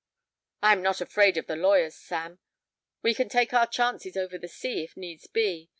"I am not afraid of the lawyers, Sam; we can take our chances over the sea, if needs be.